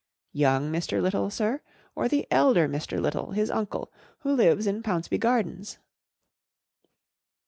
11 Young Mr. Little, sir p or the elder Mr. Little, his uncle, who lives in Pounceby Gardens